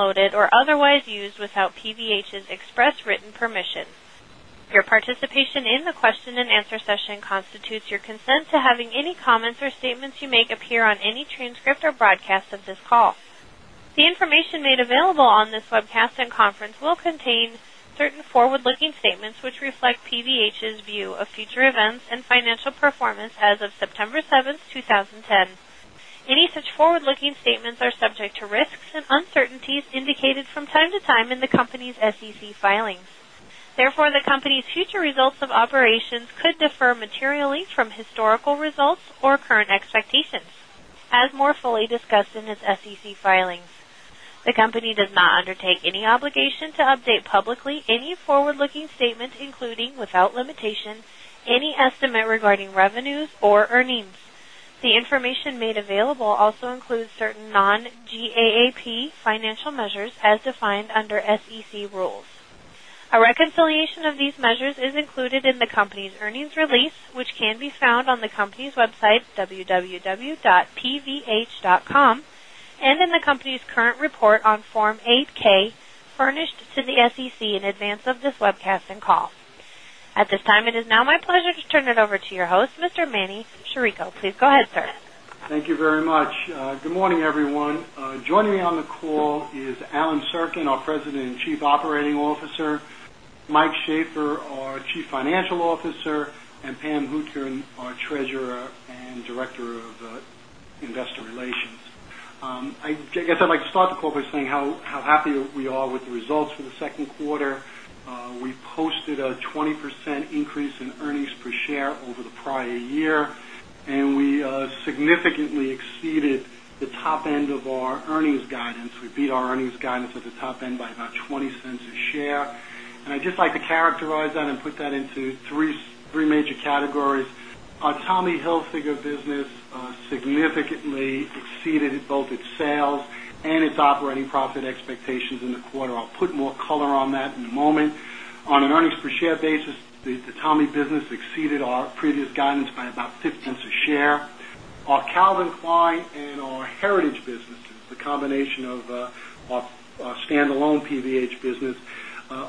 Downloaded or otherwise used without PVH's expressed written permission. Your participation in the question and answer session constitutes your consent to having any comments or statements you make appear on any transcript or broadcast of this call. The information made available on this webcast and conference will contain certain forward looking statements, which reflect PVH's view of future events and financial performance as of September 7, 2010. Any such forward looking statements are subject to risks and uncertainties indicated from time to time in the company's SEC filings. Therefore, the company's future results of operations could differ materially from historical results or current expectations as more fully discussed in its SEC filings. The company does not undertake any obligation to update publicly any forward looking statements, including without limitation any estimate regarding revenues or earnings. The information made available also includes certain non GAAP financial measures as defined under SEC rules. A reconciliation of these measures is included in the company's earnings release, which can be found on the company's website, www. Pvh.com and in the company's current report on Form 8 ks furnished to the SEC in advance of this webcast and call. At this time, it is now my pleasure to turn it over to your host, Mr. Manny Chirico. Please go ahead, sir. Thank you very much. Good morning, everyone. Joining me on the call is Alan Serkin, our President and Chief Operating Officer Mike Schaeffer, our Chief Financial Officer and Pam Hootkern, our Treasurer and Director of Investor Relations. I guess I'd like to start the call by saying how happy we are with the results for the Q2. We posted a 20% increase in earnings per share over the prior year and we significantly exceeded the top end of our earnings guidance. We beat our earnings guidance at the top end by about $0.20 a share. And I'd just like to characterize that and put that into 3 major categories. Tommy Hilfiger business significantly exceeded both its sales and its operating profit expectations in the quarter. I'll put more color on that in a moment. On an earnings per share basis, the Tommy business exceeded our previous guidance by about $0.15 a share. Our Calvin Klein and our Heritage businesses, the combination of our standalone PVH business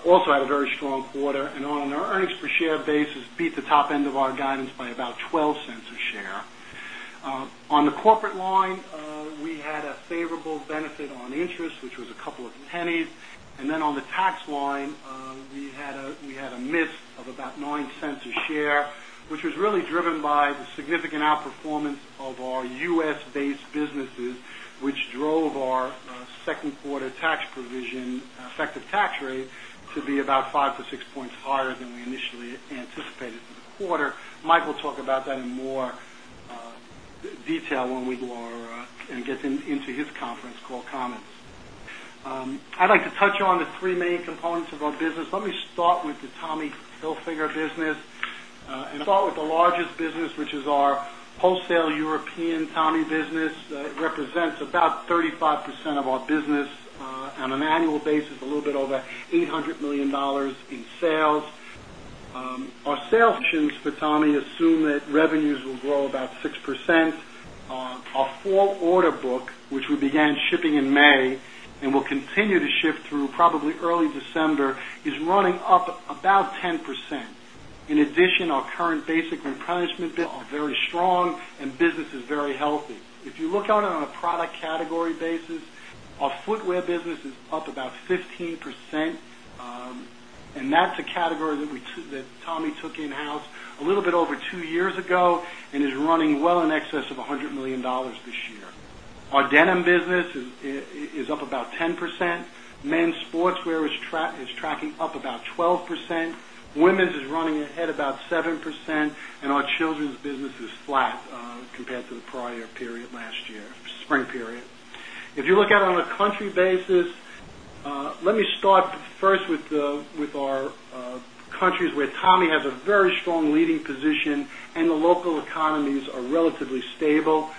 also had a very strong quarter and on an earnings per share basis beat the top end of our guidance by about $0.12 a share. On the corporate line, we had a favorable benefit on interest, which was a couple of pennies. And then on the tax line, we had a miss of about $0.09 a share, which was really driven by the significant outperformance of our U. S.-based businesses, which drove our 2nd quarter tax provision effective tax rate to be about 5 points to 6 points higher than we initially anticipated for the quarter. Mike will talk about that in more quarter. Mike will talk about that in more detail when we are and get into his conference call comments. I'd like to touch on the 3 main components of our business. Let me start with the Tommy Hilfiger business and start with the largest business, which is our wholesale European Tommy business. It represents about 35% of our business on an annual basis, a little bit over $800,000,000 in sales. Our sales commissions for Tommy assume that revenues will grow about 6%. Our full order book, which we began shipping in May and will continue to ship through probably early December is running up about 10%. In addition, our current basic replenishment business are very strong and business is very healthy. If you look out on a product category basis, our footwear business is up about 15% and that's a category that Tommy took in house a little bit over 2 years ago and is running well in excess of $100,000,000 this year. Our denim business is up about 10%, men's sportswear is tracking up about 12%, women's is running ahead about 7% and our children's business is flat compared to the prior year period last year, spring period. If you look out on a country basis, let me start first with our countries where Tommy has a very strong leading position and the local economies are relatively stable.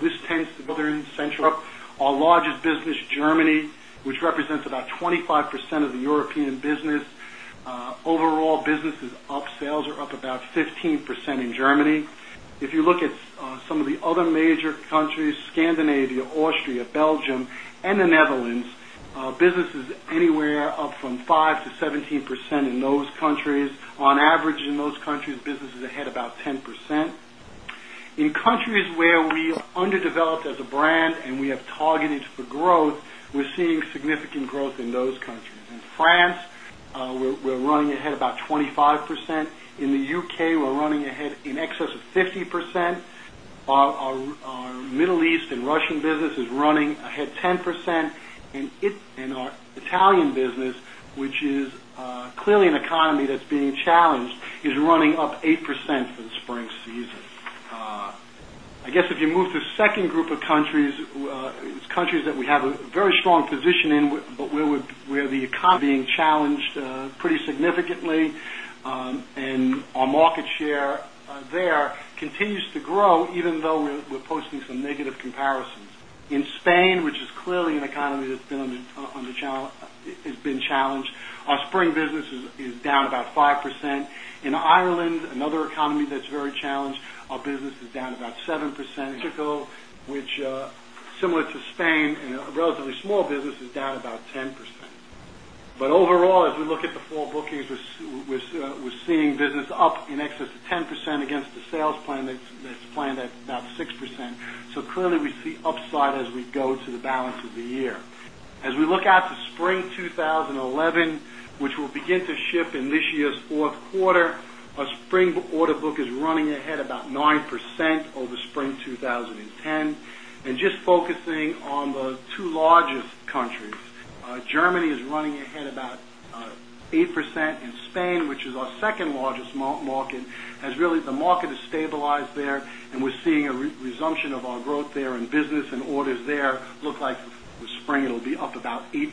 This tends to go there and center up our largest business Germany, which represents about 25% of the European business. Overall business is up, sales are up about 15% in Germany. If you look at some of the other major countries, Scandinavia, Austria, Belgium and the Netherlands, businesses anywhere up from 5% to 17% in those countries. On average in those countries, businesses ahead about 10%. In countries where we underdeveloped as a brand and we have targeted for growth, we're seeing significant growth in those countries. In France, we're running ahead about 25%, in the U. K, we're running ahead in excess of 50%, our Middle East and Russian business is running ahead 10%, and our Italian business, which is clearly an economy that's being challenged is running up 8% for the spring season. I guess if you move to second group of countries, it's countries that we have a very strong position in, but where the economy is being challenged pretty significantly and our market share there continues to grow even though we're posting some negative comparisons. In Spain, which is clearly an economy that's been challenged, our spring business is down about 5%. In Ireland, another economy that's very challenged, our business is down about 7%. In Portugal, which similar to Spain and relatively small business is down about 10%. But overall, as we look at the fall bookings, we're seeing business up in excess of 10% against the sales plan that's planned at about 6%. So clearly, we see upside as we go to the balance of the year. As we look out to spring 2011, which will begin to shift in this year's Q4, our spring order book is running ahead about 9% over spring 20 10. And just focusing on the 2 largest countries, Germany is running ahead about 8% and Spain, which is our 2nd largest market has really the market has stabilized there and we're seeing a resumption of our growth there in business and orders there look like the spring it will be up about 8%.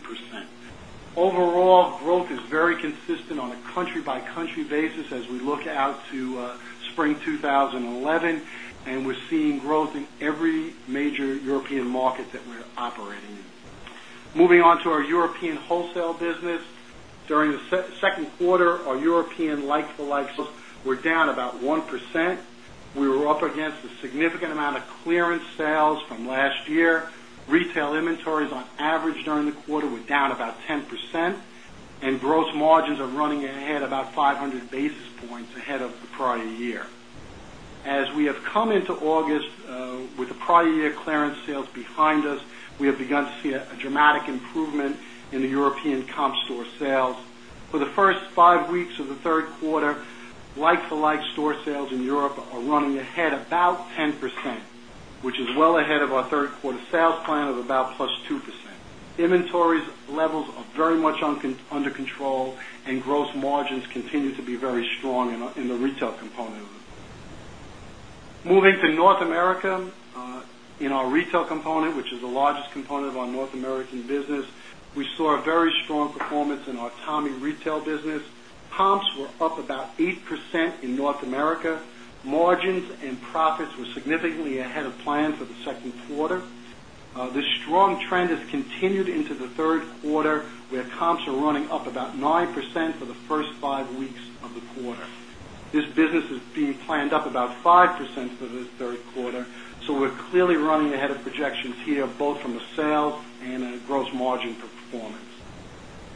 Overall, growth is very consistent on a country by country basis as we look out to spring 2011 and we're seeing growth in every major European market that we're operating in. Moving on to our European wholesale business. During the Q2, our European like for like sales were down about 1%. We were up against a significant amount of clearance sales from last year. Retail inventories on average during the quarter were down about 10% and gross margins are running ahead about 500 basis points ahead of the prior year. As we have come into August with the prior year clearance sales behind us, we have begun to see a dramatic improvement in the European comp store sales. For the 1st 5 weeks of Q3, like for like store sales in Europe are running ahead about 10%, which is well ahead of our Q3 sales plan of about plus 2%. Inventories levels are very much under control and gross margins continue to be very strong in the retail component. Moving to North America, in our retail component, which is the largest component of our North American business, we saw a very strong performance in our Tommy retail business. Comps were up about 8% in North America. Margins and profits were significantly ahead of plan for the Q2. This strong trend has continued into the Q3 where comps are running up about 9% for the 1st 5 weeks of the quarter. This business is being planned up about 5% for this Q3. So we're clearly running ahead of projections here both from the sales and gross margin performance.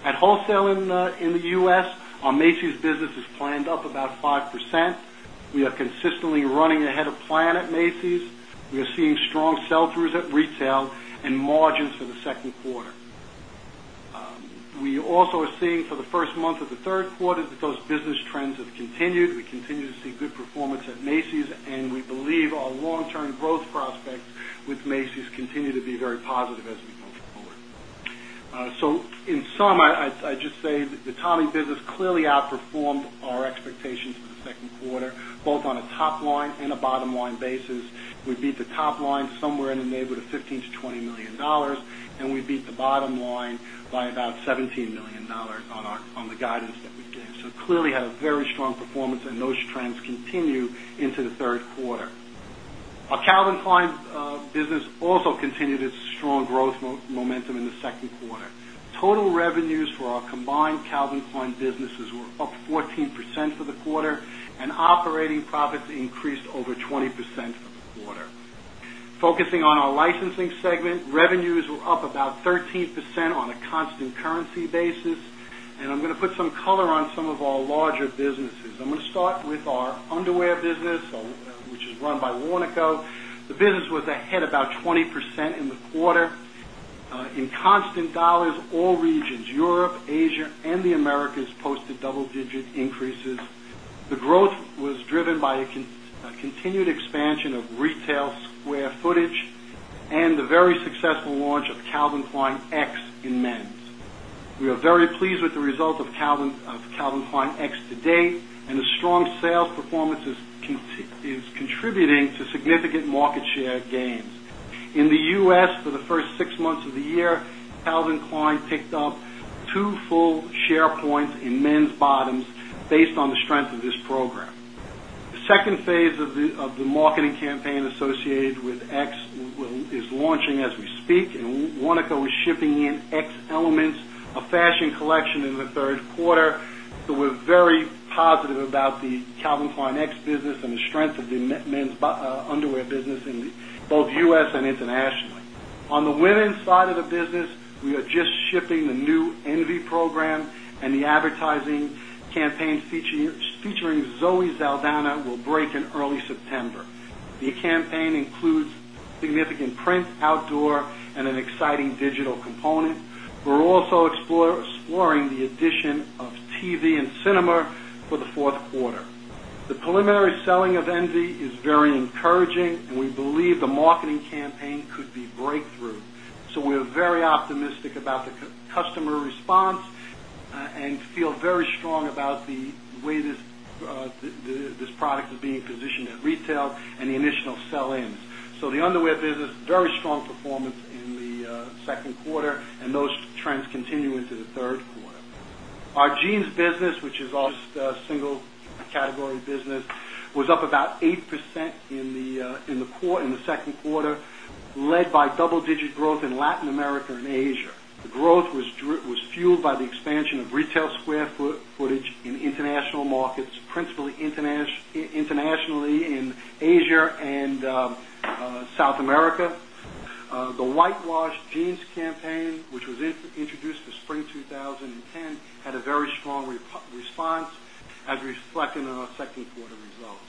At wholesale in the U. S, our Macy's business is planned up about 5%. Are consistently running ahead of plan at Macy's. We are seeing strong sell throughs at retail and margins for the Q2. We also are seeing for the 1st month of Q3 those business trends have continued. We continue to see good performance at Macy's and we believe our long term growth prospects with Macy's continue to be very positive as we move forward. So in sum, I'd just say that the Tommy business clearly outperformed our expectations for the Q2, both on a top line and a bottom line basis. We beat the top line somewhere in the neighborhood of $15,000,000 to $20,000,000 and we beat the bottom line by about $17,000,000 on the guidance that we gave. So clearly had a very strong performance and those trends continue into the Q3. Our Calvin Klein business also continued its strong growth momentum in the Q2. Total revenues for our combined Calvin Klein businesses were up 14% for the quarter and operating profits increased over 20% for the quarter. Focusing on our licensing segment, revenues were up about 13% on a constant currency basis and I'm going to put some color on some of our larger businesses. I'm going to start with our underwear business, which is by Wanaco. The business was ahead about 20% in the quarter. In constant dollars all regions Europe, Asia and the Americas posted double digit increases. The growth was driven by a continued expansion of retail square footage and the very successful launch of Calvin Klein X in men's. We are very pleased with the result of Calvin Klein X to date and the strong sales performance is contributing to significant market share gains. In the U. S. For the 1st 6 months of the year, Calvin Klein picked up 2 full share points in men's bottoms based on the strength of this program. The second phase of X business and the strength of the men's underwear business in the X business and the strength of the men's underwear business in both U. S. And internationally. On the women's side of the business, we are just shipping the new ENVY program and the advertising campaign featuring Zoe Saldanha will break in early September. The campaign includes significant print, outdoor and an exciting digital component. We're also exploring the addition of TV and cinema for the Q4. The preliminary selling of Envy is very encouraging and we believe the marketing campaign could be breakthrough. So we are very optimistic about the customer response and feel very strong about the way this product is being positioned at retail and the initial sell ins. So the underwear business very strong performance in the Q2 and those trends continue into the Q3. Our jeans business, which is almost single category business was up about 8% in the second quarter led by double digit growth in Latin America and Asia. Growth was fueled by the expansion of retail square footage in international markets, principally internationally in Asia and South America. The whitewash jeans campaign, which was introduced for spring 2010 had a very strong response as reflected in our second quarter results.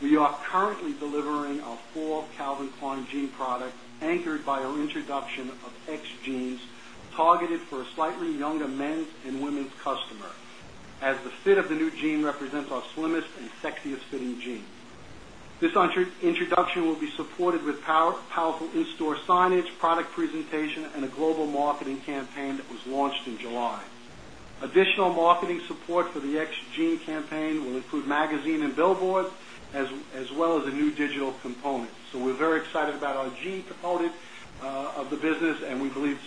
We are currently delivering our 4 Calvin Klein jean product anchored by our introduction of X Jeans targeted for a slightly younger men's and women's customer, as the fit of the new jean represents our slimmest and sexiest fitting jean. This introduction will be supported with powerful in store signage, product of the business and we believe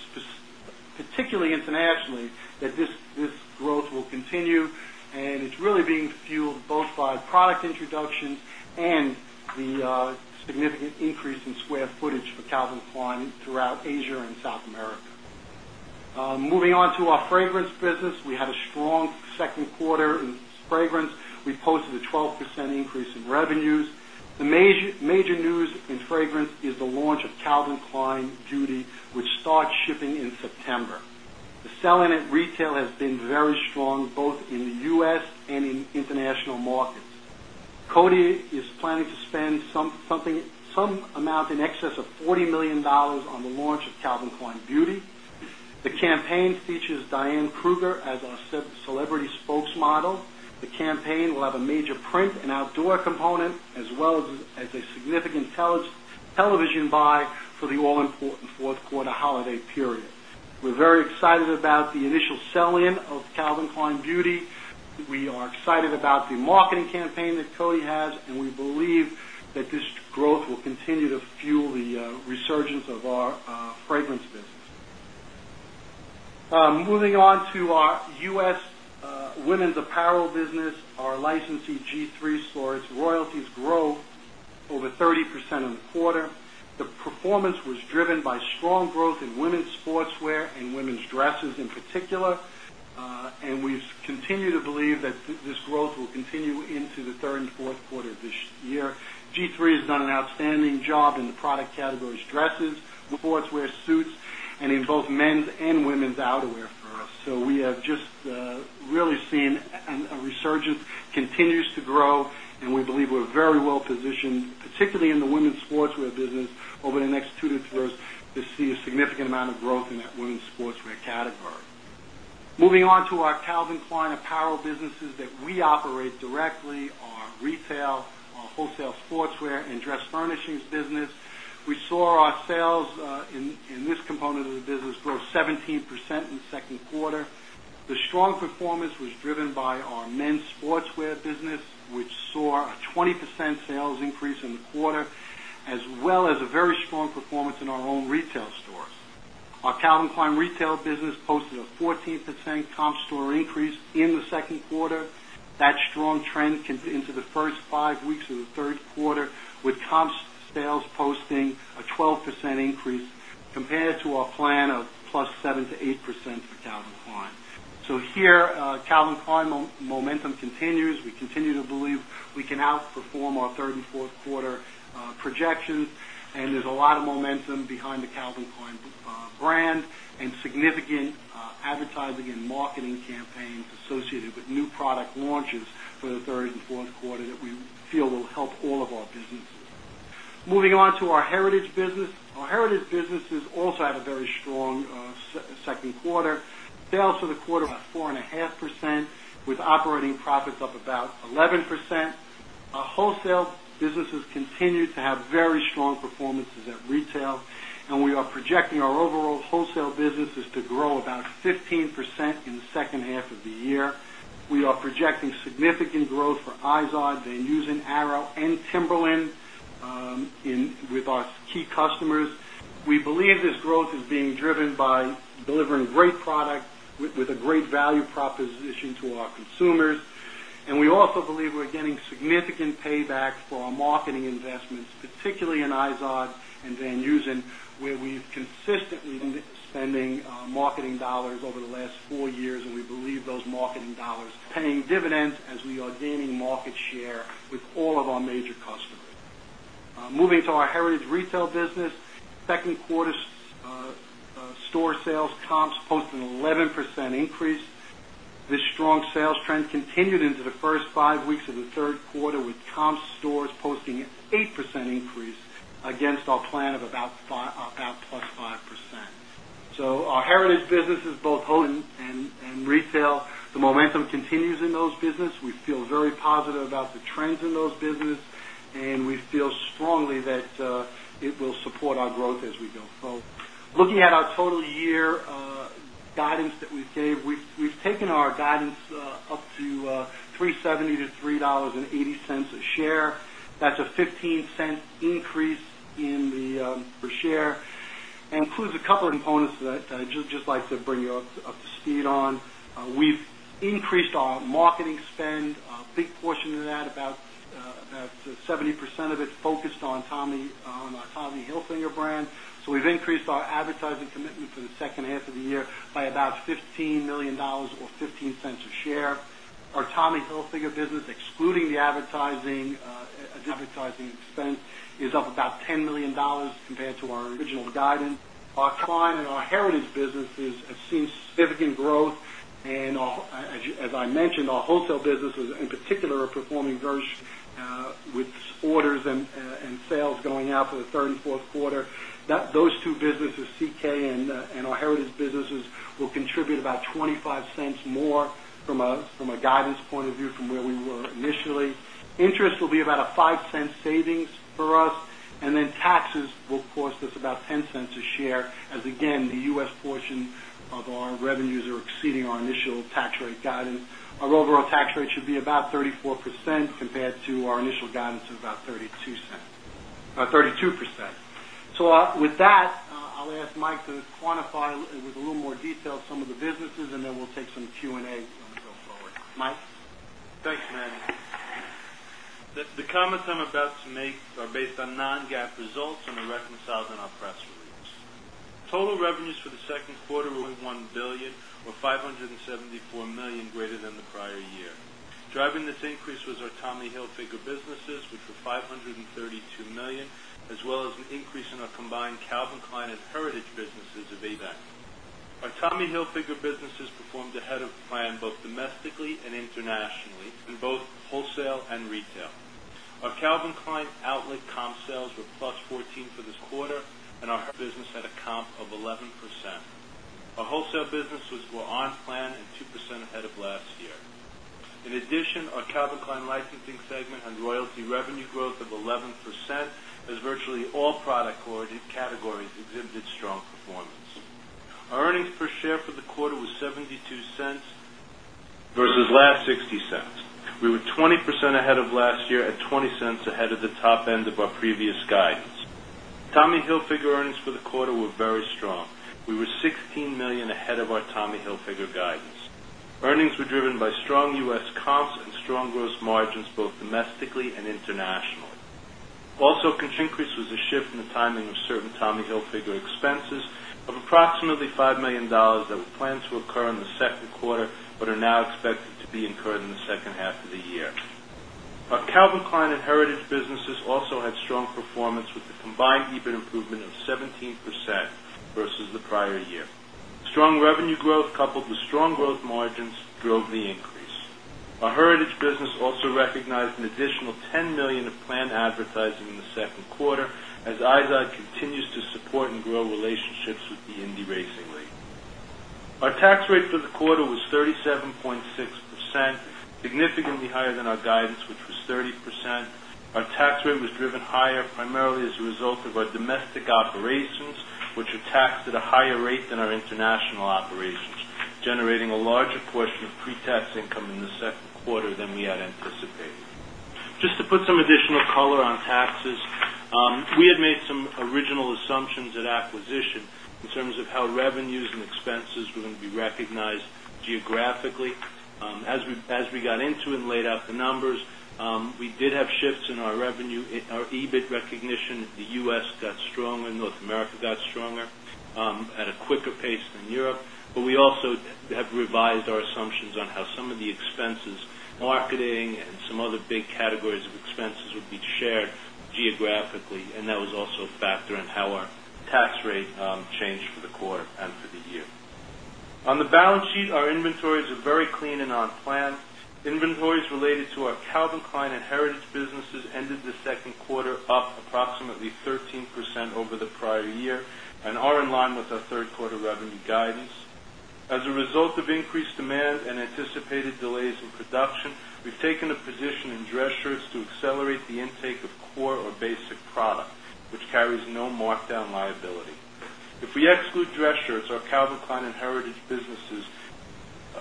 particularly internationally that this growth will continue and it's really being fueled both by product introductions and the significant increase in square footage for Calvin Klein throughout Asia and South America. Moving on to our fragrance business, we had a strong second quarter in fragrance. We posted a 12% increase in revenues. The major news in fragrance is the launch of Calvin Klein Beauty, which starts shipping in September. The selling at retail has been very strong both in the U. S. And in international markets. Coty is planning to spend some amount in excess of $40,000,000 on the launch of Calvin Klein Beauty. The campaign features Diane Kruger as our celebrity spokesmodel. The campaign will have a major print and outdoor component as well as a significant television buy for the all important Q4 holiday period. We're very excited about the initial selling of Calvin Klein Beauty. We are excited about the marketing campaign that Coty has and we believe that this growth will continue to fuel the resurgence of our fragrance business. Moving on to our U. S. Women's Apparel business, our licensee G III saw its royalties grow over 30% in the quarter. The performance was driven by strong growth in women's sportswear and women's dresses in particular. And we continue to believe that this growth will continue into the 3rd Q4 of this year. G III has done an outstanding job in the product categories dresses, sports wear suits and in both men's and women's outerwear for us. So we have just really seen a resurgence continues to grow and we believe we're very well positioned, particularly in the women's sportswear business over the next 2 to 3 years to see a significant amount of growth in that women's sportswear category. Moving on to our Calvin Klein apparel businesses that we operate directly, our retail, our wholesale sportswear and dress furnishings business. We saw our sales in this component of the business grow 17% in the 2nd quarter. The strong performance was driven by our men's sportswear business, which saw a 20% sales increase in the quarter as well as a very strong performance in our own retail stores. Our Calvin Klein retail business posted a 14% comp store increase in the Q2. That strong trend into the 1st 5 weeks of Q3 with comp sales posting a 12% increase compared to our plan of plus 7% to 8% for Calvin Klein. So here Calvin Klein momentum continues. We continue to believe we can outperform our 3rd Q4 projections and there's a lot of momentum behind the Calvin Klein brand and significant advertising and marketing campaigns associated with new product launches for the 3rd Q4 that we feel will help all of our businesses. Moving on to our heritage business. Our heritage businesses also had a very strong second quarter. Sales for the quarter were 4.5% with operating profits up about 11%. Our wholesale businesses continue to have very strong performances at retail and we are projecting our overall wholesale businesses to grow about 15% in the second half of the year. We are projecting significant growth for Izod, then using Arrow and Timberland in with our key customers. We believe this growth is being driven by delivering great product with a great value proposition to our consumers. And we also believe we're getting significant payback for our marketing investments, particularly in Izod and Van Eusen, where we've consistently been spending marketing dollars over the last 4 years and we believe those marketing dollars paying dividends as we are gaining market share with all of our major customers. Moving to our heritage retail business, 2nd quarter store sales comps posted 11% increase. This strong sales trend continued into the 1st 5 weeks of Q3 with comp stores posting 8% increase against our plan of about plus 5%. So our heritage businesses both home and retail, the momentum continues in those business. We feel very positive about the trends in those business and we feel strongly that it will support our growth as we go. Looking at our total year guidance that we gave, we've taken our guidance up to $3.70 to $3.80 a share. That's a $0.15 increase in the per share, includes a couple of components that I just like to bring you up to speed on. We've increased our marketing spend, a big portion of that about 70% of it focused on Tommy Hilfiger brand. So we've increased our advertising commitment for the second half of the year by about $15,000,000 or $0.15 a share. Our Tommy Hilfiger business excluding the advertising expense is up about $10,000,000 compared to our original guidance. Our client and our heritage businesses have seen significant growth. And as I mentioned, our wholesale businesses in particular are performing very, with orders and sales going out for the 3rd Q4. Those two businesses, CK and our heritage businesses, will contribute about $0.25 more from a guidance point of view from where we were initially. Interest will be about a $0.05 savings for us. And then taxes will cost us about $0.10 a share as again the U. S. Portion of our revenues are exceeding our initial tax rate guidance. Our overall tax rate should be about 34% compared to our initial guidance of about 32%. So with that, I'll ask Mike to quantify with a little more detail some of the businesses and then we'll take some Q and A as we go forward. Mike? Thanks, Manny. The comments I'm about to make are based on non GAAP results and are reconciled in our press release. Total revenues for the Q2 were $1,000,000,000 or $574,000,000 greater than the prior year. Driving this increase was our Tommy Hilfiger businesses, which were 5 $32,000,000 as well as an increase in our combined Calvin Klein and Heritage businesses of Avac. Our Tommy Hilfiger businesses performed ahead of plan, both domestically and internationally in both wholesale and retail. Our Calvin Klein outlet comp sales were plus 14% for this quarter and our wholesale business had a comp of 11%. Our wholesale businesses were on plan and 2% ahead of last year. In addition, our Calvin Klein licensing segment and royalty revenue growth of 11% as virtually all product categories exhibited strong performance. Our earnings per share for the quarter was $0.72 versus last $0.60 We were 20% ahead of last year at $0.20 ahead of the top end of our previous guidance. Tommy Hilfiger earnings for the quarter were very strong. We were $16,000,000 ahead of our Tommy Hilfiger guidance. Earnings were driven by strong U. S. Comps and strong gross margins both domestically and internationally. Also a good increase was a shift in the timing of certain Tommy Hilfiger expenses of approximately $5,000,000 that we plan to occur in the second quarter, but are now expected to be incurred in the second half of the year. Our Calvin Klein and Heritage businesses also had strong performance with the combined EBIT improvement of 17% versus the prior year. Strong revenue growth coupled with strong growth margins drove the increase. Our heritage business also recognized an additional $10,000,000 of planned advertising in the Q2 as eyesight continues to support and grow relationships with the Indy Racing League. Our tax rate for the quarter was 37.6%, significantly higher than our guidance, which was 30%. Our tax rate was driven higher primarily as a result of our domestic operations, which are taxed at a higher rate than our international operations, generating a larger portion of pre tax income in the Q2 than we had anticipated. Just to put some additional color on taxes, we had made some original assumptions at acquisition in terms of how revenues and expenses recognized geographically. As we got into and laid out the numbers, we did have shifts in our revenue, our EBIT recognition in the U. S. Got stronger and North America got stronger at a quicker pace than Europe. But we also have revised our assumptions on how some of the expenses, marketing and some other big categories of expenses would be shared geographically. And that was also a factor in how our tax rate changed for the quarter and for the year. On the balance sheet, our inventories are very clean and on plan. Inventories related to our Calvin Klein and Heritage businesses ended the 2nd quarter, up approximately 13% over the prior year and are in line with our Q3 revenue guidance. As a result of increased demand and anticipated delays in production, we've taken a position in dress shirts to accelerate the intake of core or basic product, which carries no markdown liability. If we exclude dress shirts, our Calvin Klein and Heritage businesses,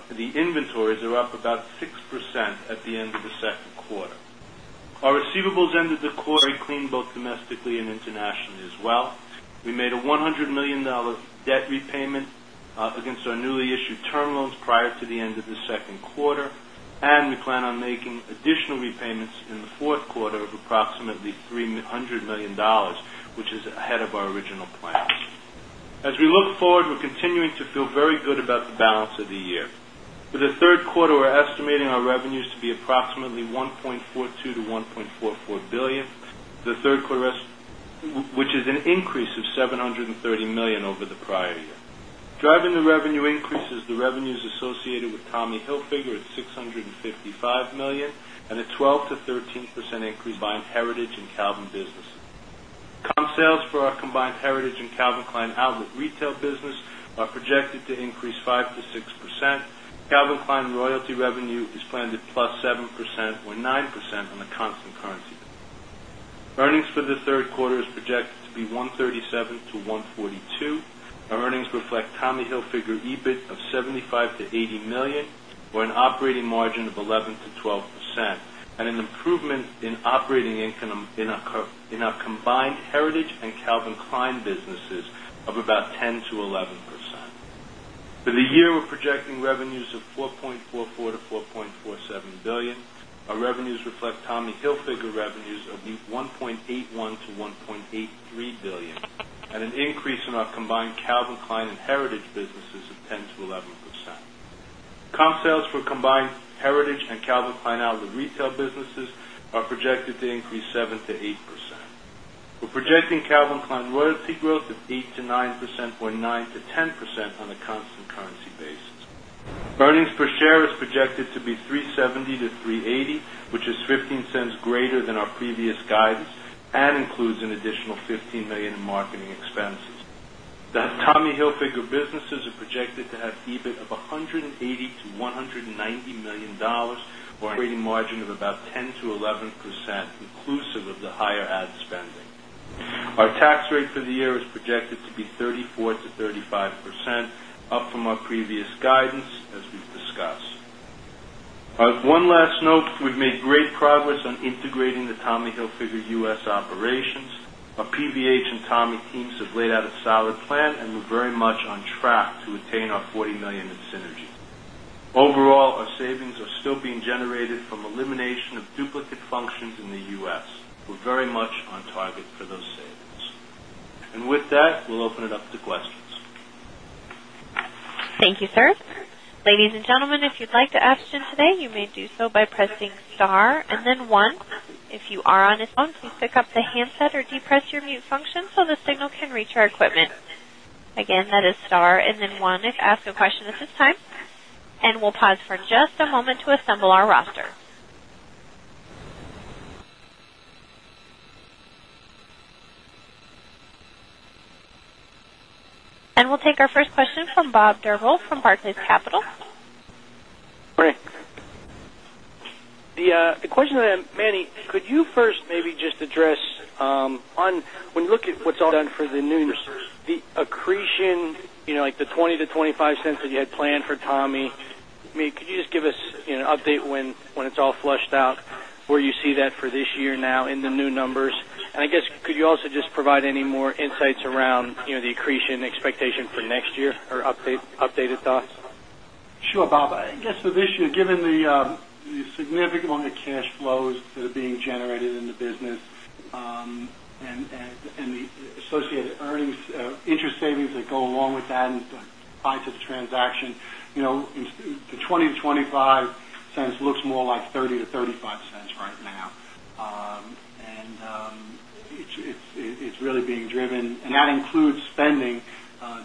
the inventories are up about 6% at the end of the second quarter. Our receivables ended the quarter clean both domestically and internationally as well. We made a $100,000,000 debt repayment against our newly issued term loans prior to the end of the second quarter. And we plan on making additional repayments in the Q4 of approximately $300,000,000 which is ahead of our original plans. As we look forward, we're continuing to feel very good about the balance of the year. For the Q3, we're estimating our revenues to be approximately $1,420,000,000 to $1,440,000,000 The 3rd quarter, which is an increase of $730,000,000 over the prior year. Driving the revenue increases, the revenues associated with Tommy Hilfiger at $655,000,000 and a 12% to 13% increase by our heritage and Calvin Business. Comp sales for our combined heritage and Calvin Klein outlet retail business are projected to increase 5% to 6%. Calvin Klein royalty revenue is planned at plus 7% or 9% on a constant currency. Earnings for the 3rd quarter is projected to be $137,000,000 to $142,000,000 Our earnings reflect Tommy Hilfiger EBIT of $75,000,000 to $80,000,000 or an operating margin of 11% to 12% and an improvement in operating income in our combined heritage and Calvin Klein businesses of about 10% to 11%. For the year, we're projecting revenues of $4,440,000,000 to $4,470,000,000 Our revenues reflect Tommy Hilfiger revenues of $1,810,000,000 to $1,830,000,000 and an increase in our combined Calvin Klein and Heritage businesses of 10% to 11%. Comp sales for combined Heritage and Calvin Klein outlet retail businesses are projected to increase 7% to 8%. We're projecting Calvin Klein royalty growth of 8% to 9% or 9% to 10% on a constant currency basis. Earnings per share is projected to be $3.70 to $3.80 which is $0.15 greater than our previous guidance and includes an additional $15,000,000 in marketing expenses. The Tommy Hilfiger businesses are projected to have EBIT of $180,000,000 to $190,000,000 or operating margin of about 10% to 11%, inclusive of the higher ad spending. Our tax rate for the year is projected to be 34% to 35%, up from our previous guidance as we've discussed. One last note, we've made great progress on integrating the Tommy Hilfiger U. S. Operations. Our PVH and Tommy teams have laid out a solid plan and we're very much on track to attain our $40,000,000 in synergy. Overall, our savings are still being generated from elimination of duplicate functions in the U. S. We're very much on target for those savings. And with that, we'll open it up to questions. Thank you, sir. And we'll take our first question from Bob Drbul from Barclays Capital. Good morning. The question that I have, Manny, could you first maybe just address on when you look at what's all done for the new numbers, the accretion like the $0.20 to $0.25 that you had planned for Tommy, could you just give us an update when it's all flushed out, where you see that for this year now in the new numbers? And I guess could you also just provide any more insights around the accretion expectation for next year or updated thoughts? Sure, Bob. I guess for this year, given the significant amount of cash flows that are being generated in the business and the associated earnings interest savings that go along with that and the price of the transaction, the $0.20 to $0.25 looks more like $0.30 to $0.35 right now. And it's really being driven and that includes spending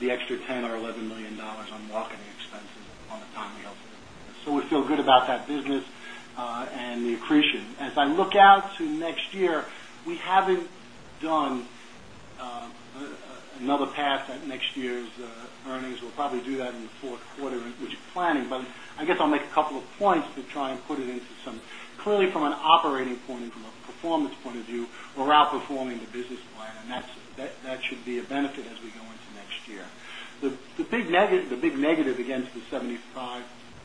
the extra $10,000,000 or $11,000,000 on marketing expenses on the timing of it. So we feel good about that business and the accretion. As I look out to next year, we haven't done another path at next year's earnings. We'll probably do that in the Q4, which is planning. But I guess I'll make a couple of points to try and put it into some clearly from an operating point and from a performance point of view, we're outperforming the business plan and that should be a benefit as we go into next year. The big negative against the $0.75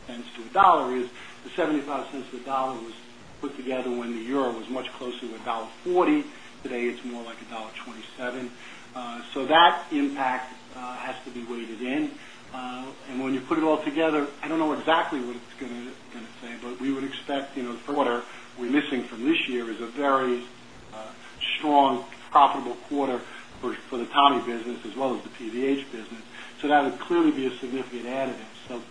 to $1 is the $0.75 to $1 was put together when the euro was much closer to $1.40 Today, it's more like $1.27 So that impact has to be weighted in. And when you put it all together, I don't know exactly what it's going to say, but we would expect the quarter we're missing from this year is a very strong profitable quarter for the Tommy business as well as the PVH business. So that would clearly be a significant additive. So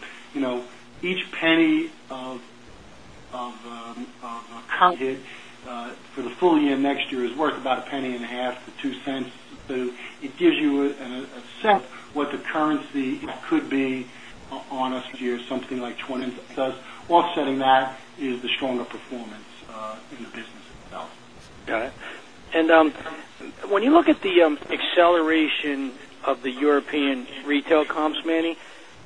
each penny of our credit for the full year next year is worth about $0.015 to $0.02 So it gives you a sense what the currency could be on us this year something like $0.20 does offsetting that is the stronger performance in the business itself. Got it. And when you look at the acceleration of the European retail comps, Manny,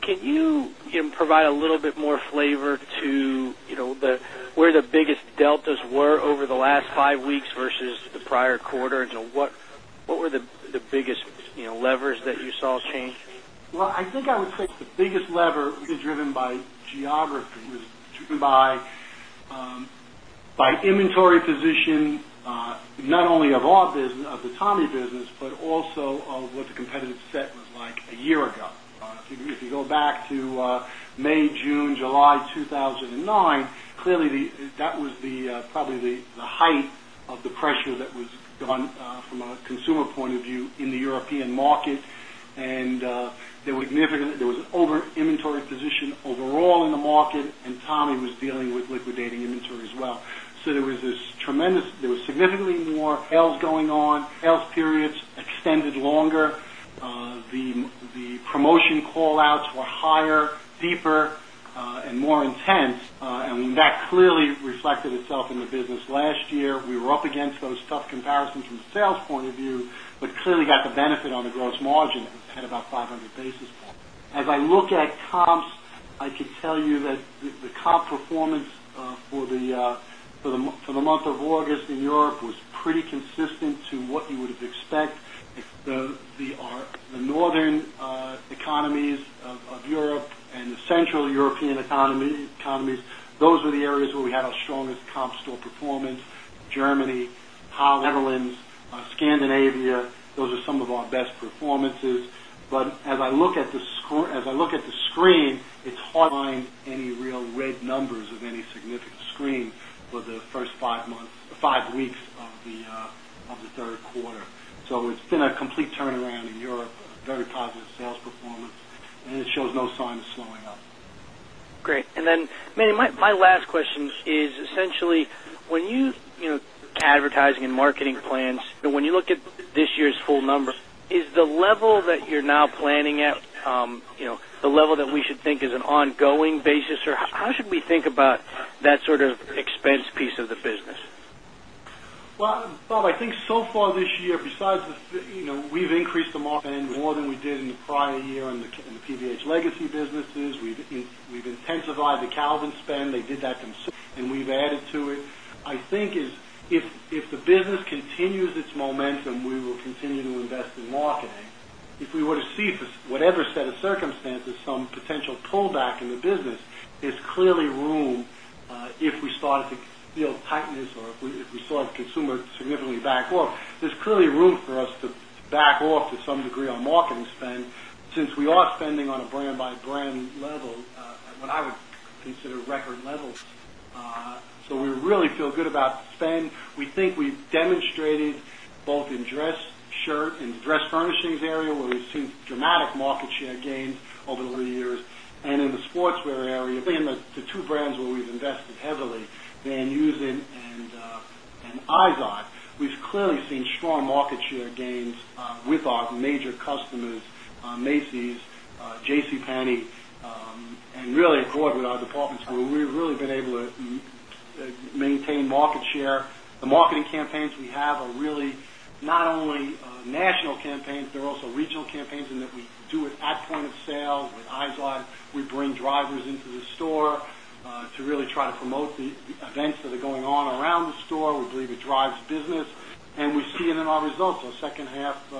can you provide a little bit more flavor to where the biggest deltas were over the last 5 weeks versus the prior quarter? And so what were the biggest levers that you saw change? Well, I think I would say the biggest lever is driven by geography, was driven by inventory position, not only of our business, of the Tommy business, but also of what the competitive set was like a year ago. If you go back to May, June, July 2009, clearly, that was the probably the height of the pressure that was gone from a consumer point of view in the European market. And there was an over inventory position overall in the market and Tommy was dealing with liquidating inventory as well. So there was this tremendous there was significantly more sales going on, sales periods extended longer. The promotion call outs were higher, deeper and more intense. I mean that clearly reflected itself in the business. Last year, we were up against those tough comparisons from sales point of view, but clearly got the benefit on the gross margin at about 500 basis points. As I look at comps, I could tell you that the comp performance for the month of August in Europe was pretty consistent to what you would have expect. The Northern economies of Europe and the Central European Economies, those are the areas where we had our strongest comp store performance, Germany, Holland, Netherlands, Scandinavia, those are some of our best performances. But as I look at the screen, it's hard find any real red numbers of any significant screen for the 1st 5 months 5 weeks of Q3. So it's been a complete turnaround in Europe, very positive sales performance and it shows no signs of slowing up. Great. And then, Meny, my last question is essentially when you advertising and marketing plans, when you look at this year's full number, is the level that you're now planning at the level that we should think is an ongoing basis or how should we think about that sort of expense piece of the business? Well, Bob, I think so far this year besides the we've increased the margin more than we did in the prior year in the PVH legacy businesses. We've intensified the Calvin spend. They did that concern and we've added to it. I think if the business continues its momentum, we will continue to invest in marketing. If we were to see whatever set of circumstances some potential pullback in the business, there's clearly room if we started to feel tightness or if we saw the consumer significantly back off. There's clearly room for us to back off to some degree on marketing spend since we are spending on a brand by brand level, what I would consider record levels. So we really feel good about spend. We think we've demonstrated both in dress, shirt and dress furnishings area where we've seen dramatic market share gains over the years. And in the sportswear area, the 2 brands where we've invested heavily, Van Nuysen and Izod, we've clearly seen strong market share gains with our major customers, Macy's, JCPenney, and really abroad with our department's group. We've really been able to maintain market share. The marketing campaigns we have are really not only national campaigns, they're also regional campaigns and that we do it at point of sale with eyesight. We bring drivers into the store to really try to promote the events that are going on around the store. We believe it drives business and we see it in our results. Our results. Our second half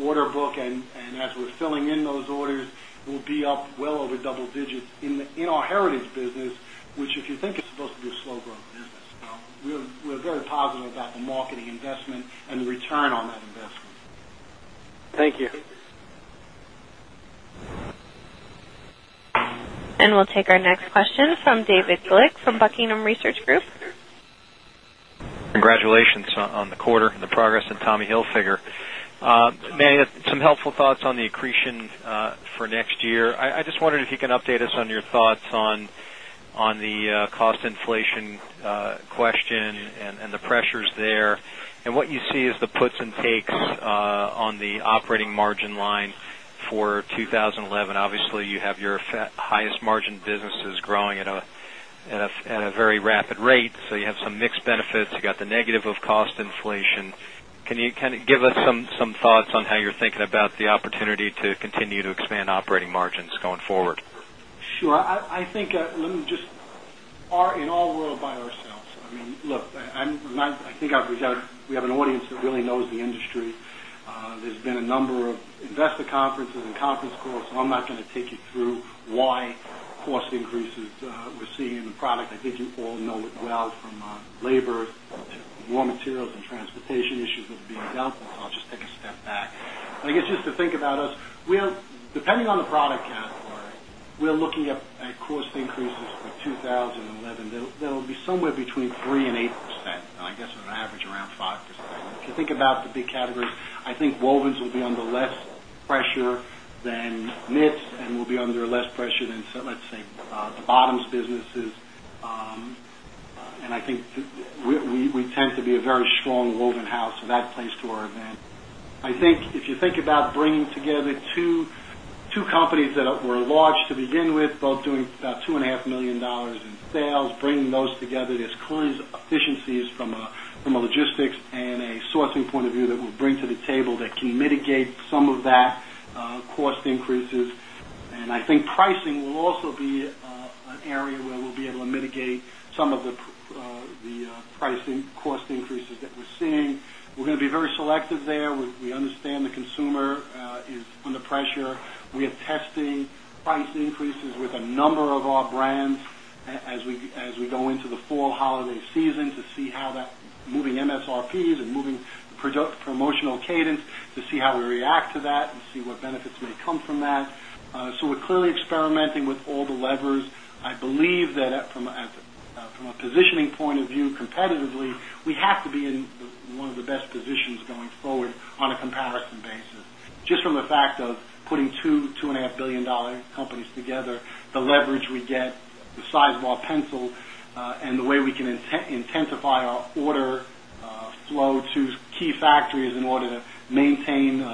order book and as we're filling in those orders, we'll be up well over double digits in our heritage business, which if you think is supposed to be a slow growth business. We're very positive about the marketing investment and return on that investment. Thank you. And we'll take our next question from David Glick from Buckingham Research Group. Congratulations on the quarter and the progress in Tommy Hilfiger. Many of some helpful thoughts on the accretion for next year. I just wondered if you can update us on your thoughts on the cost inflation question and the pressures there and what you see is the puts and takes on the operating margin line for 2011. Obviously, you have your highest margin businesses growing at a very rapid rate. So you have some mixed benefits, you got the negative of cost inflation. Can you kind of give us some thoughts on how you're thinking about the opportunity to continue to expand operating margins going forward? Sure. I think let me just in all world by ourselves. I mean, look, I think we have an audience that really knows the industry. There's been a number of investor conferences and conference calls, so I'm not going to take you through why cost increases we're seeing in the product. I think you all know it well from labor, raw materials and transportation issues would be examples. I'll just take a step back. I guess just to think about us, we are depending on the product category, we are looking at cost increases 2011. There will be somewhere between 3% 8%, and I guess on average around 5%. If you think about the big categories, I think wovens will be under less pressure than knits and will be under less pressure than, let's say, the bottoms businesses. And I think we tend to be a very strong woven house, so that plays to our event. I think if you think about bringing together 2 companies that were large to begin with, both doing about $2,500,000 in sales, bringing those together, there's cleanse efficiencies from a logistics and a sourcing point of view that will bring to the table that can mitigate some of that cost increases. And I think pricing will also be an area where we'll be able to mitigate some of the pricing cost increases that we're seeing. We're going to be very selective there. We understand the consumer is under pressure. We are testing price increases with a number of our brands as we go into the fall holiday season to see how that moving MSRPs and moving promotional cadence to see how we react to that and see what benefits may come from promotional cadence to see how we react to that and see what benefits may come from that. So we're clearly experimenting with all the levers. I believe that from a positioning point of view, competitively, we have to be in one of the best positions going forward on a comparison basis. Just from the fact of putting $2,000,000,000 $2,500,000,000 companies together, the leverage we get, the size of our pencil and the way we can intensify our order flow to key factories in order to maintain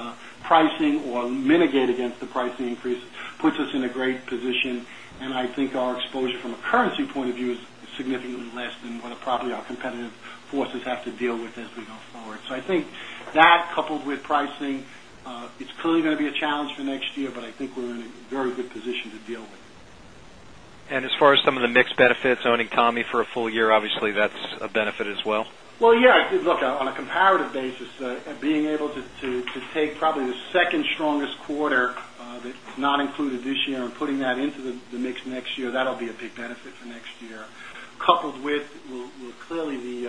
pricing or mitigate against the pricing increase puts us in a great position. And I think our exposure from a currency point of view is significantly less than what probably our competitive forces have to deal with as we go forward. So I think that coupled with pricing, it's clearly going to be a challenge for next year, but I think we're in a very good position to deal with. And as far as some of the mix benefits owning Tommy for a full year, obviously, that's a benefit as well? Well, yes, look, on a comparative basis, being able to take probably the 2nd strongest quarter that is not included this year and putting that into the mix next year, that'll be a big benefit for next year, clearly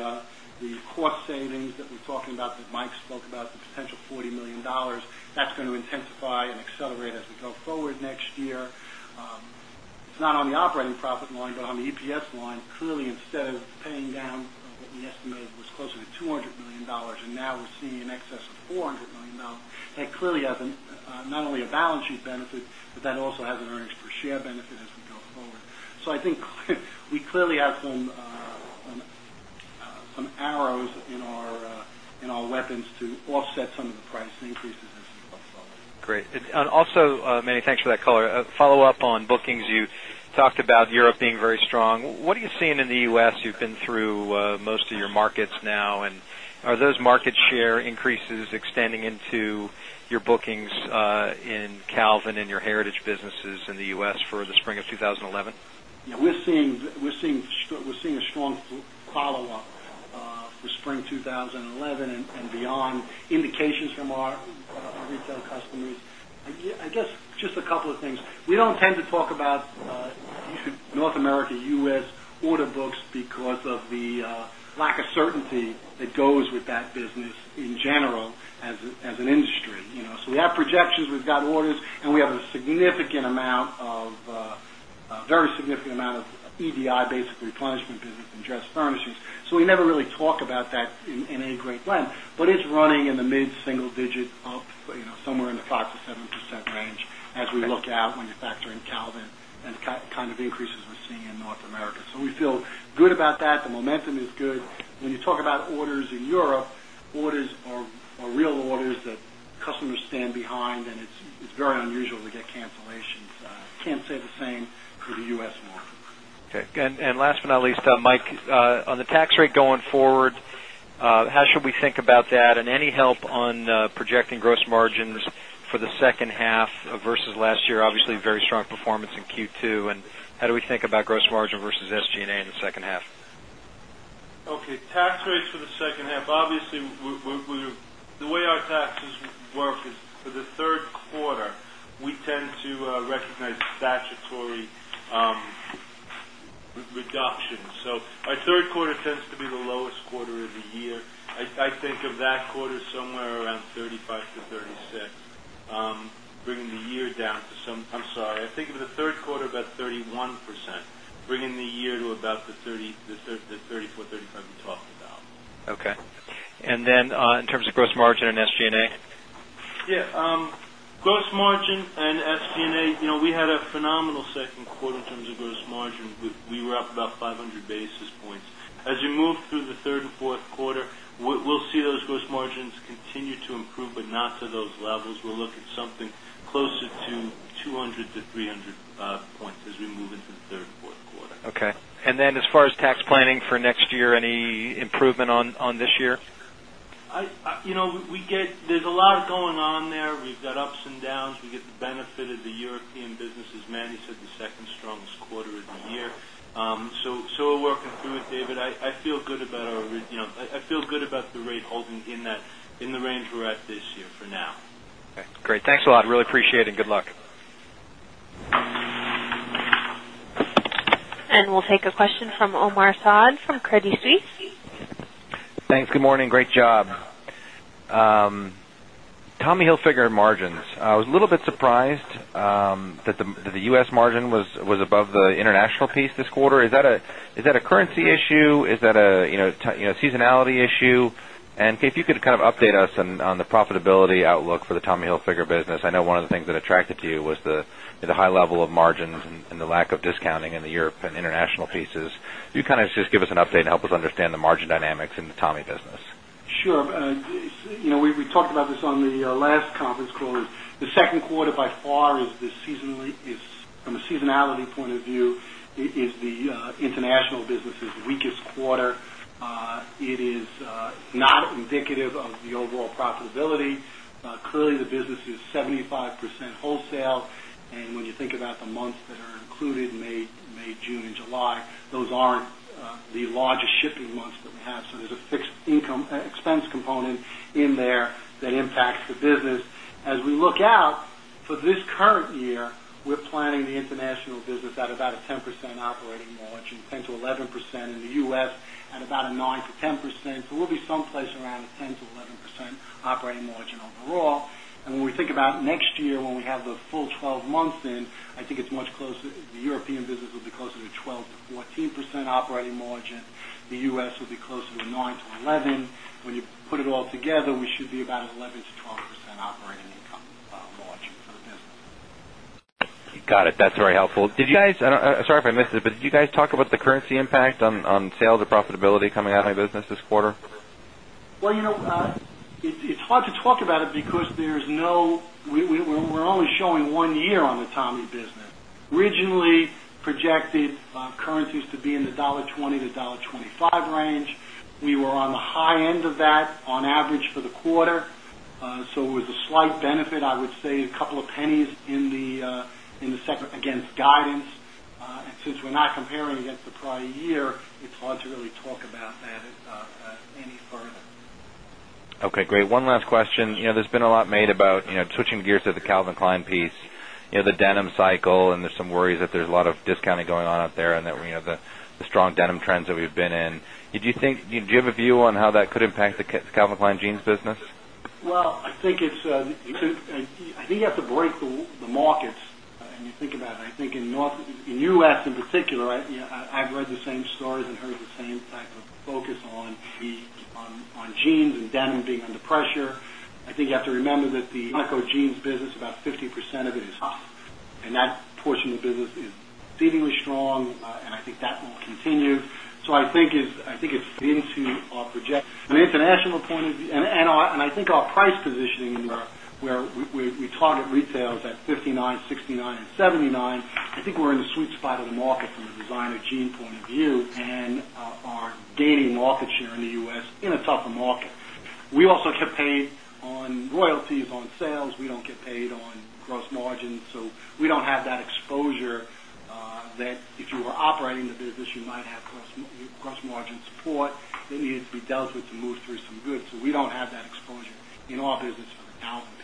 the cost savings that we're talking about that Mike spoke about the potential $40,000,000 that's going to intensify and accelerate as we go forward next year. It's not on the operating profit line, but on the EPS line, clearly, instead of paying down what we estimated was closer to $200,000,000 and now we're seeing in excess of $400,000,000 That clearly has not only a balance sheet benefit, but that also has an earnings per share benefit as we go forward. So I think we clearly have some arrows in our weapons to offset some of the price increases as we go forward. Great. And also, Manny, thanks for that color. A follow-up on bookings. You talked about Europe being very strong. What are you seeing in the U. S? You've been through most of your markets now. And are those market share increases extending into your bookings in Calvin and your Heritage businesses in the U. S. For the spring of 2011? We're seeing a strong follow-up for spring 2011 and beyond indications from our retail customers. I guess just a couple of things. We don't tend to talk about North America, U. S. Order books because of the lack of certainty that goes with that business in general as an industry. So we have projections, we've got orders and we have a significant amount of very significant amount of EDI, basic replenishment business and just furnishings. So we never really talk about that in a great blend, but it's running in the mid single digit up somewhere in the 5% to 7% range as we look out when you factor in Calvin and kind of increases we're seeing in North America. So we feel good about that. The momentum is good. When you talk about orders in Europe, orders are real orders that customers stand behind and it's very unusual to get cancellations. I can't say the same for the U. S. Market. Okay. And last but not least, Mike, on the tax rate going forward, how should we think about that? And any help on projecting gross margins for the second half versus last year, obviously, very strong performance in Q2? And how do we think about gross margin versus SG and A in the second half? Okay. Tax rates for the second half, obviously, the way our taxes work is for the Q3, we tend to recognize statutory reduction. So our Q3 tends to be the lowest quarter of the year. I think of that quarter somewhere around 35% to 36%, bringing the year down to some I'm sorry, I think of the 3rd quarter about 31%, bringing the year to about the 30%, the 34%, 35% we talked about. Okay. And then in terms of gross margin and SG and A? Yes. Gross margin and SG and A, we had a phenomenal second quarter in terms of gross margin. We were up about 500 basis points. As you move through the 3rd Q4, we'll see those gross margins continue to improve, but not to those levels. We'll look at something closer to 200 to 300 points as we move into the 3rd Q4. Okay. And then as far as tax planning for next year, any improvement on this year? We get there's a lot going on there. We've got ups and downs. We get European business, as Mandy said, the 2nd strongest quarter of the year. So we're working through it, David. I feel good about our I feel good about the rate holding in that in the range we're at this year for now. Okay, great. Thanks a lot. Really appreciate it. Good luck. And we'll take a question from Omar Saad from Credit Suisse. Thanks. Good morning. Great job. Tommy Hilfiger margins, I was a little bit surprised that the U. S. Margin was above the international piece this quarter. Is that a currency issue? Is that a seasonality issue? And if you could update us on the profitability outlook for the Tommy Hilfiger business. I know one of the things that attracted you was the high level of margins and the lack of discounting in the Europe and international pieces. Can you just give us an update and help us understand the margin dynamics in the Tommy business? Sure. We talked about this on the last conference call. The Q2 by far is the seasonally is from a seasonality point of view is the international businesses weakest quarter. It is not indicative of the overall profitability. Clearly, the business is 75% wholesale. And when you think about the months that are included May, June July, those aren't the largest shipping months that we have. So there's a fixed income expense component in there that impacts the business. As we look out for this current year, we're planning the international business at about a 10% operating margin to 11% in the U. S. At about a 9% to 10%. So we'll be someplace around a 10% to 11% operating margin overall. And when we think about next year when we have the full 12 months in, I think it's much closer the European business will be closer to 12% to 14% operating margin. The U. S. Will be closer to 9% to 11%. When you put it all together, we should be about 11% to 12% operating income margin for the business. Got it. That's very helpful. Did you guys sorry if I missed it, but did you guys talk about the currency impact on sales or profitability coming out of my business this quarter? Well, it's hard to talk about it because there is no we're only showing 1 year on the Tommy business. Originally projected currencies to be in the $1.20 to $1.25 range. We were on the high end of that on average for the quarter. So it was a slight benefit, I would say a couple of pennies the segment against guidance. And since we're not comparing against the prior year, it's hard to really talk about that any further. Okay, great. One last question. There's been a lot made about switching gears to the Calvin Klein piece, the denim cycle and there's some worries that there's a lot of discounting going on out there and that we have the strong denim trends that we've been in. Did you think do you have a view on how that could impact the Calvin Klein Jeans business? Well, I think it's I think you have to break the markets and you think about it. I think in U. S. In particular, I've read the same stories and heard the same type of focus on jeans and denim being under pressure. I think you have to remember that the medical jeans business about 50% of it is hot and that portion of the business is exceedingly strong and I think that continue. So I think it's into our projection. On an international point of view and I think our price positioning where we target retail is at 59%, 69% and 79%. I think we're in the sweet spot of the market from a designer gene point of view and are gaining market share in the U. S. In a tougher market. We also kept paid on royalties on sales, we don't get paid on gross margins. So we don't have that exposure that if you were operating the business, you might have gross margin. Exposure in our business for the talent business.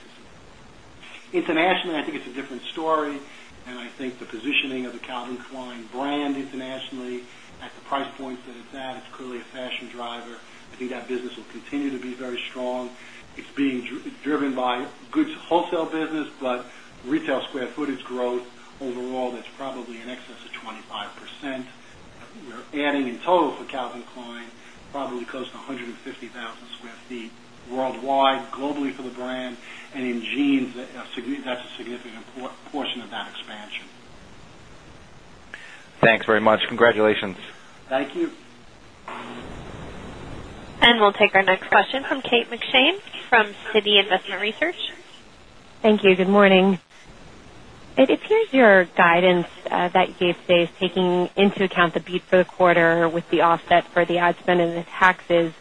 Internationally, I think it's a different story. And I think the positioning of the Calvin Klein brand internationally at the think the positioning of the Calvin Klein brand internationally at the price points that it's at, it's clearly a fashion driver. I think that business will continue to be very strong. It's being driven by goods wholesale business, but retail square footage growth overall that's probably in excess of 25%. We're adding in total for Calvin Klein probably close to 150,000 square feet worldwide globally for the brand and in jeans that's a significant portion of that expansion. Thanks very much. Congratulations. Thank you. And we'll take our next question from Kate McShane from Citi Investment Research. Thank you. Good morning. It appears your guidance that you gave today is taking into account the beat for the quarter with the offset for the ad spend and the taxes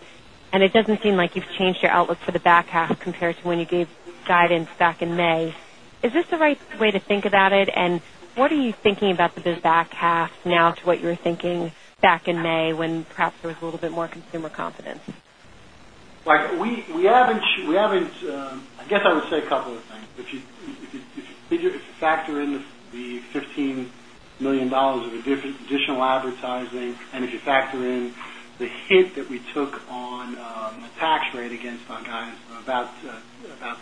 and it doesn't seem like you've changed your outlook for the back half compared to when you gave guidance back in May. Is this the right way to think about it? And what are you thinking about the back half now to what you're thinking back in May when perhaps there was a little bit more consumer confidence? We haven't I guess I would say a couple of things. If you factor in the $15,000,000 of additional advertising and if you factor in the hit that we took on the tax rate against our guidance about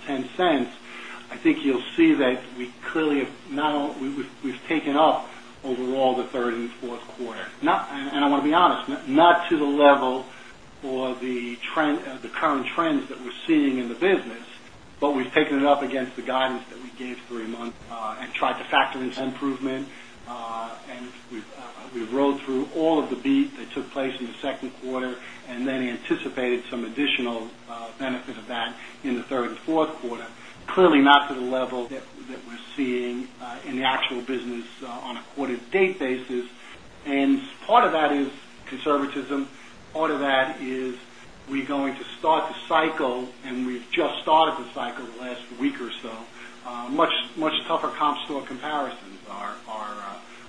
$0.10 I think you'll see that we clearly have not only we've taken up overall the 3rd Q4. And I want to be honest, not to the level or the trend the current trends that we're seeing in the business, but we've taken it up against the guidance that we gave 3 months and tried to factor in some improvement. And we've rolled through all of the beat that took place in the Q2 and then anticipated some additional benefit of that in the 3rd Q4, clearly not to the level that we're seeing in the actual business on a quarter to date basis. And part of that is conservatism, part of that is we're going to start the cycle and we've just started the cycle last week or so, much tougher comp store comparisons.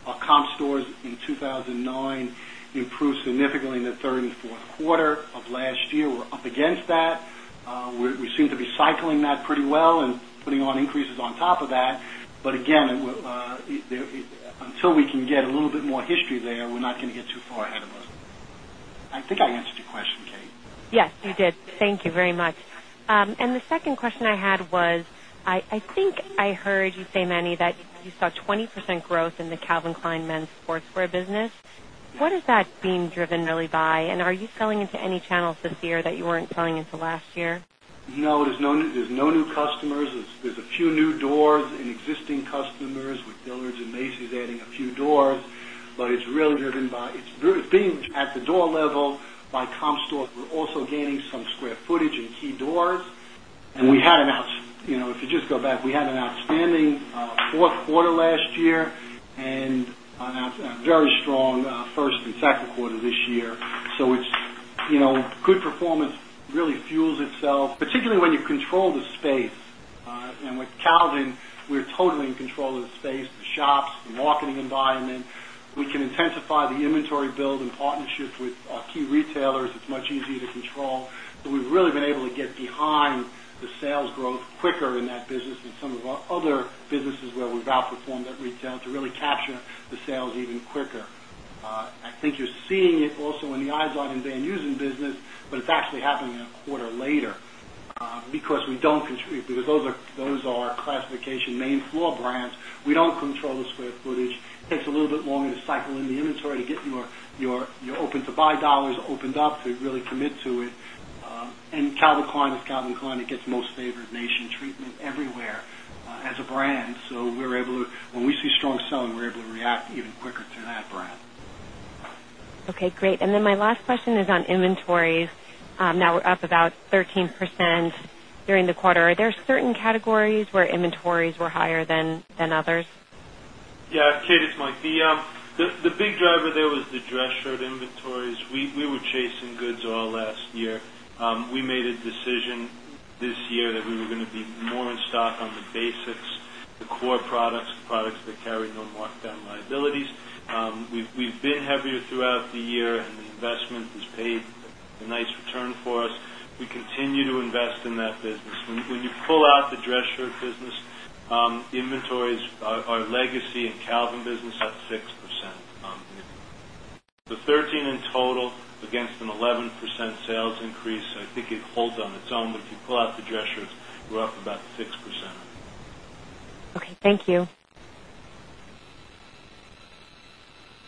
Our comp stores in 2,009 improved significantly in the 3rd Q4 of last year. We're up against that. We seem to be cycling that pretty well and putting on increases on top of that. But again, until we can get a little bit more history there, we're not going to get too far ahead of us. I think I answered your question, Kate. Yes, you did. Thank you very much. And the second question I had was, I think I heard you say, Manny, that you saw 20% growth in the Calvin Klein men's sportswear business. What is that being driven really by? And are you selling into any channels this year that you weren't selling into last year? No, there's no new customers. There's a few new doors and existing customers with Dillard's and Macy's adding a few doors, but it's really driven by it's being at the door level by comp stores. We're also gaining some square footage in key doors. And we had an if you just go back, we had an outstanding Q4 last year and a very strong first and second quarter this year. So it's good performance really fuels itself, particularly when you control the space. And with Calvin, we're totally in control of the space, the shops, the marketing environment. We can intensify the inventory build in partnership with our key retailers. It's much easier to control. So we've really been able to get behind the sales growth quicker in that business than some of our other businesses where we've outperformed at retail to really capture the sales even quicker. I think you're seeing it also in the eyesight and Van Eusen business, but it's actually happening in a quarter later because we don't contribute because those are our classification main floor brands. We don't control the square footage. It takes a little bit longer to cycle in the inventory to get your open to buy dollars opened up to really commit to it. And Calvin Klein is Calvin Klein. It gets most favored nation treatment everywhere as a brand. So we're able to when we see strong selling, we're able to react even quicker to that brand. Okay, great. And then my last question is on inventories. Now we're up about 13% during the quarter. Are there certain categories where inventories were higher than others? Yes. Kate, it's Mike. The big driver there was the dress shirt inventories. We were chasing goods all last year. We made a decision this year that we were going to be more in stock on the basics, the core products, the products that carry no markdown liabilities. We've been heavier throughout the year and the investment has paid a nice return for us. We continue to invest in that business. When you pull out the dress shirt business, the inventories are legacy and Calvin business up 6%. The 13% in total against an 11% sales increase, I think it holds on its own, if you pull out the gestures, we're up about 6%. Okay. Thank you.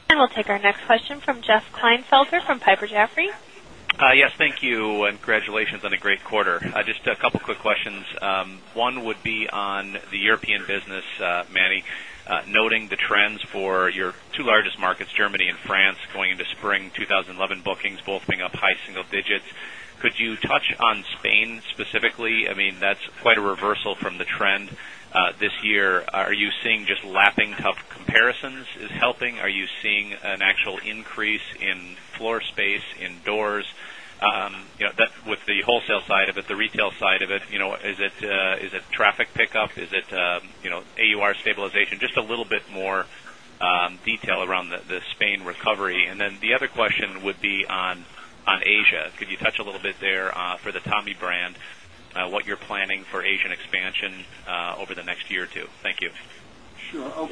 And we'll take our next question from Jeff Klinefelter from Piper Jaffray. Yes, thank you and congratulations on a great quarter. Just a couple of quick questions. One would be on the European business, Manny, noting the trends for your 2 largest markets, Germany and France, going into spring and France going into spring 2011 bookings both being up high single digits. Could you touch on Spain specifically? I mean that's quite a reversal from the trend this year. Are you seeing just lapping tough comparisons is helping? Are you seeing an actual increase in an actual increase in floor space, in doors? With the wholesale side of it, the retail side of it, is it traffic pickup? Is it AUR stabilization? Just a little bit more detail around the Spain recovery. And then the other question would be on Asia. Could you touch a little bit there for the Tommy brand, what you're planning for Asian expansion over the next year or 2? Thank you. Sure.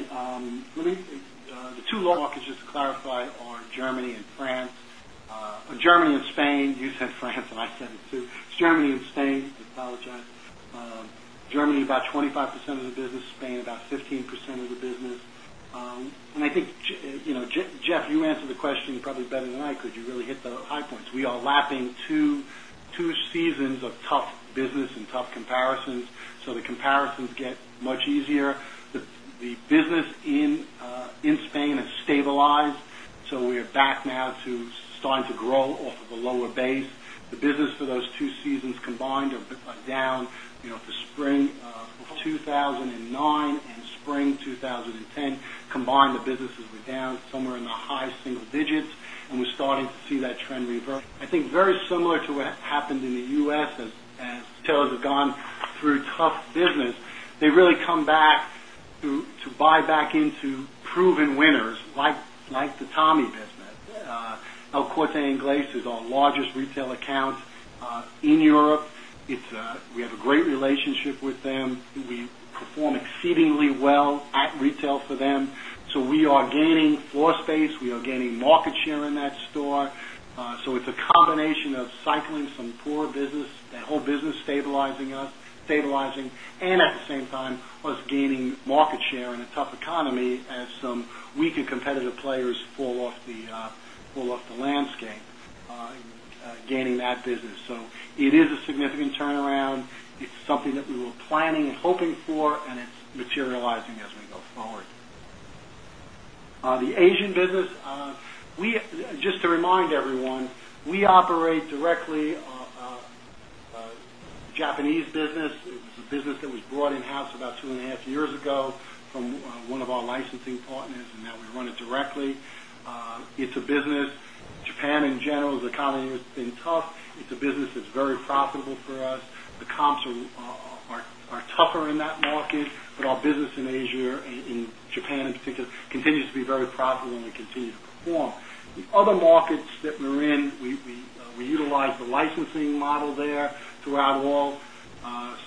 Let me the 2 launches just to clarify are Germany and France. Germany and Spain, you said France and I said it too. It's Germany and Spain, I apologize. Germany about 25% of the business, Spain about 15% of the business. And I think, Jeff, you answered the question probably better than I could, you really hit the high points. We are lapping 2 seasons of tough business and tough comparisons. So the comparisons get much easier. The business in Spain has stabilized. So we are back now to starting to grow off of the lower base. The business for those two seasons combined are are down for spring of 2009 and spring 2010 combined the businesses were down somewhere in the high single digits and we started to see that trend reverse. I think very similar to what happened in the U. S. As retailers have gone through tough business, they really come back to buy back into proven winners like the Tommy business. El Corte Ingles is our largest retail account in Europe. It's we have a great relationship with them. We perform exceedingly well at retail for them. So we are gaining floor space. We are gaining market share in that store. So it's a combination of cycling some poor business, the whole business stabilizing us, stabilizing and at the same time was gaining market share in a tough economy as some weaker competitive players fall off the landscape gaining that business. So it is a significant turnaround. It's something that we were planning and hoping for and it's materializing as we go forward. The Asian business, we just to remind everyone, we operate directly Japanese business, it was a business that was brought in house about 2.5 years ago from one of our licensing partners and that we run it directly. It's a business, Japan in general, the economy has been tough. It's a business that's very profitable for us. The comps are tougher in that market, but our business in Asia, in Japan in particular continues to be very profitable and we continue to perform. The other markets that we're in, we utilize the licensing model there throughout all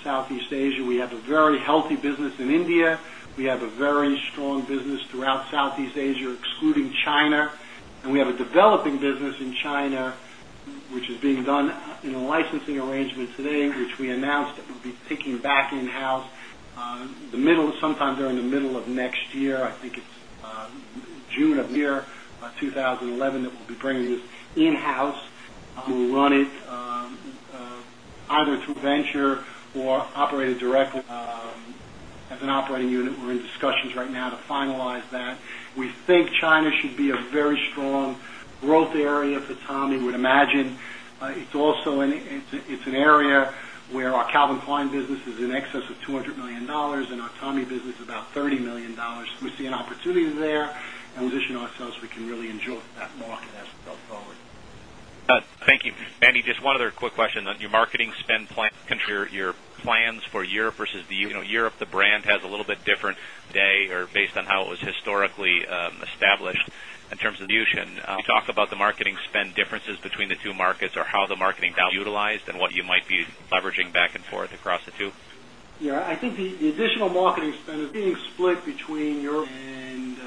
Southeast Asia. We have a very healthy business in India. We have a very strong business throughout Southeast Asia excluding China. And we have a developing business in China, which is being done in a licensing arrangement today, which we announced that we'll be taking back in house sometime during the middle of next year. I think it's June of near 2011 that we'll be bringing this in house. We'll run it either through venture or operated directly as an operating unit. We're in discussions right now to finalize that. We think China should be a very strong growth area for Tommy. We would imagine it's also it's an area where our Calvin Klein business is in excess of $200,000,000 and our Tommy business is about $30,000,000 We see an opportunity there and position ourselves we can really enjoy that market as we go forward. Manny, just one other quick question on your marketing spend plan, your plans for Europe versus the Europe, the brand has a little bit different today or based on how it was historically established in terms of infusion. Can you about the marketing spend differences between the two markets or how the marketing is utilized and what you might be leveraging back and forth across the 2? Yes. I think the additional marketing spend is being split between Europe and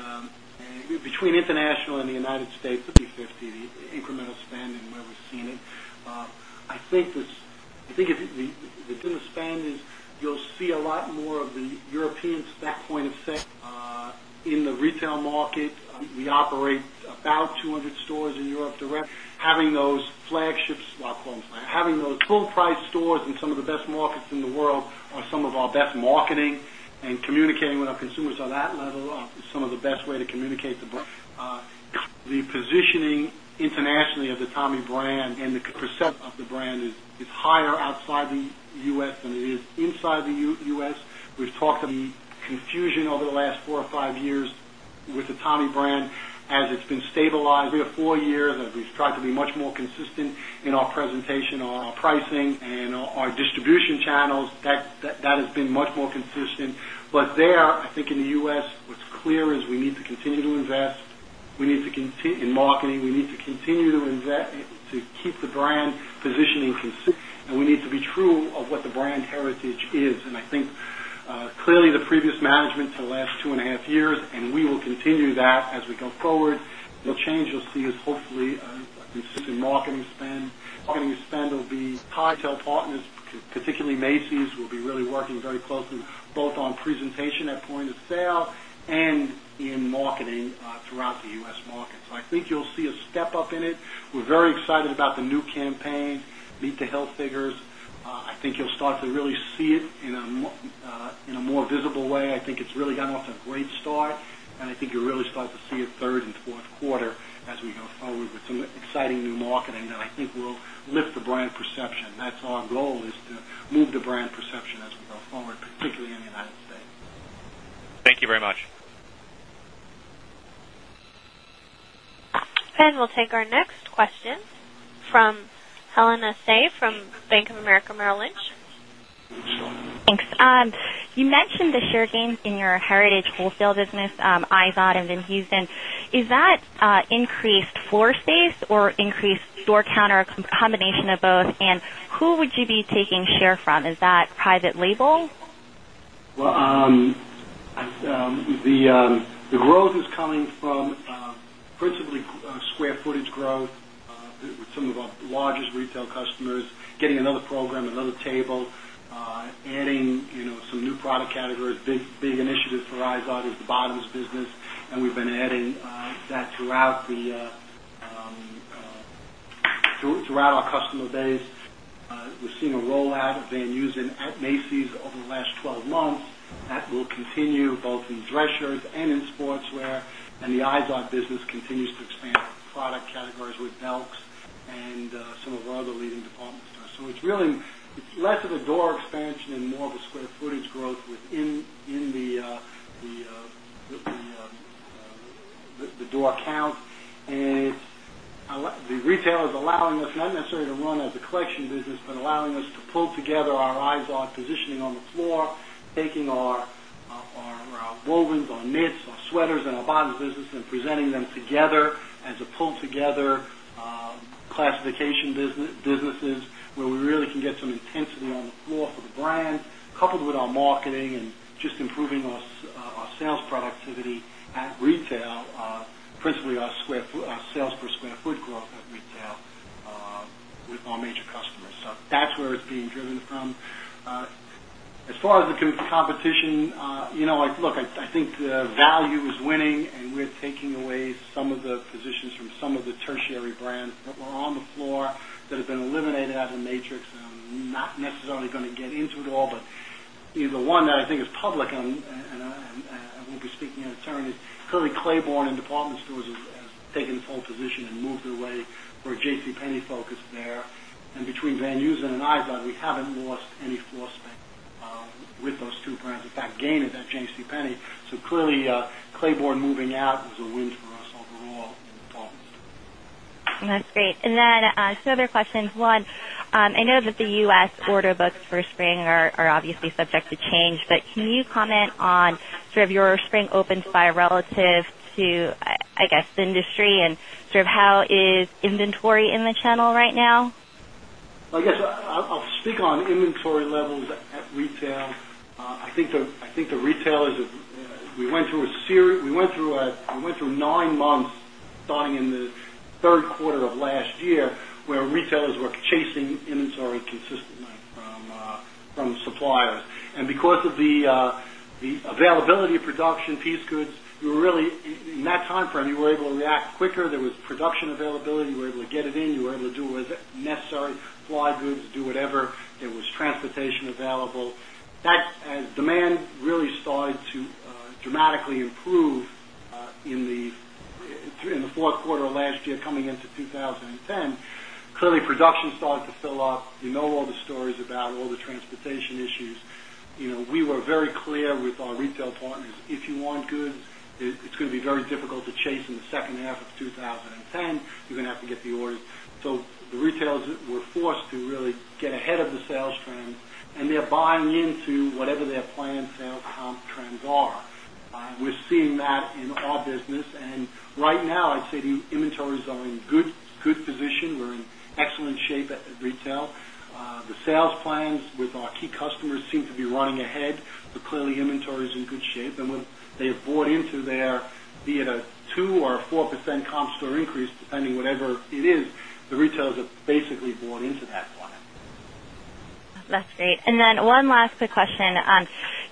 between international and the United States, the B50, the incremental spend and where we've seen it. I think the spend is you'll see a lot more of the European's back point of sale in the retail market. We operate about 200 stores in Europe direct. Having those flagships, having those full price stores in some of the best markets in the world are some of our best marketing and communicating with our consumers on that level is some of the best way to communicate the brand. The positioning internationally of the Tommy brand and the percent of the brand is higher outside the U. S. Than it is inside the U. S. We've talked to the confusion over the last 4 or 5 years with the Tommy brand as it's been stabilized. We have 4 years as we've tried to be much more consistent in our presentation on our pricing and our distribution channels that has been much more consistent. But there I think in the U. S. What's clear is we need to continue to invest, we need to continue in marketing, we need to continue to invest to keep the brand positioning consistent and we need to be true of what the brand heritage is. And I think clearly the previous management for the last two and a half years and we will continue that as we go forward. The change you'll see is hopefully a consistent marketing spend. Marketing spend will be high tail partners, particularly Macy's will be really working very closely both on presentation at point of sale and in marketing throughout the U. S. Market. So I think you'll see a step up in it. We're very excited about the new campaign, Meet the Hill figures. I think you'll start to really see it in a more visible way. I think it's really gone off to a great start and I think you'll really start to see a 3rd Q4 as we go forward with some exciting new marketing that I think will lift the brand perception. That's our goal is to move the brand perception as we go forward particularly in the United States. Thank you very much. And we'll take our next question from Helena Tse from Bank of America Merrill Lynch. Thanks. You mentioned the share gains in your heritage wholesale business, Izod and Van Housen. Is that increased floor space or increased store counter, a combination of both? And who would you be taking share from? Is that private label? The growth is coming from principally square footage growth with some of our largest retail customers, getting another program, another table, adding some new product categories, big initiatives for IZOD is bottoms business and we've been adding that throughout our customer base. We're seeing a rollout of Van Eusen at Macy's over the last 12 months that will continue both in dress shirts and in sportswear and the IZOD business continue both in dress shirts and in sportswear. And the Izod business continues to expand product categories with Belk's and some of our other leading departments. So it's really less of a door expansion and more of a square footage growth within the door count. And the retailer is allowing us not necessarily to run as a collection business, but allowing us to pull together our eyes on positioning on the floor, taking our wovens, our knits, our sweaters and our bottoms business and presenting them together as a pull together classification businesses where we really can get some intensity on the floor for the brand, coupled with our marketing and just improving our sales productivity at retail, principally our sales per square foot growth at retail with our major customers. So that's where it's being driven from. As far as the competition, look, I think value is winning and we're taking away some of the positions from some of the tertiary brands that were on the floor that have been eliminated out of Matrix and I'm not necessarily going to get into it all, but either one that I think is public and I will be speaking in attorneys, clearly Claiborne and department stores has taken full position and moved away for J. C. Penney focus there. And between Van Usen and Iglot, we haven't lost any force back with those two brands, in fact, gain at JCPenney. So clearly, Claiborne moving out was a win for us overall in the department store. That's great. And then some other questions. One, I know that the U. S. Order books for spring are obviously subject to change, but can you comment on sort of your spring opens by relative to, I guess, industry and sort of how is inventory in the channel right now? Guess, I'll speak on inventory levels at retail. I think the retailers we went through a series we went through 9 months starting in the Q3 of last year where retailers were chasing inventory consistently from suppliers. And because of the availability of production piece goods, we were really in that time frame, you were able to react quicker. There was production availability. We were able to get it in. You were able to do what's necessary, fly goods, do whatever. It was transportation available. That as demand really started to dramatically improve in the Q4 of last year coming into 2010, clearly production started to fill up. You know all the stories about all the transportation issues. We were very clear with our retail partners, if you want goods, it's going to be very difficult to chase in the second half of twenty ten. You're going to have to get the orders. So the retailers were forced to really get ahead of the sales trends and they're buying into whatever their planned sales comp trends are. We're seeing that in our business. And right now, I'd say the inventories are in good position. We're in excellent shape at retail. The sales plans with our key customers seem to be running ahead. So clearly, inventory is in good shape. And when they have bought into their be it a 2% or 4% comp store increase depending whatever it is, the retailers have basically bought into that one. That's great. And then one last quick question.